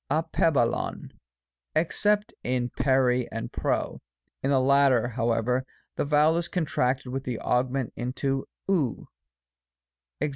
ditb^aXkovy except in ntQc and nqo ; in the latter, however, the vowel is contracted with the augment into ov. Ex.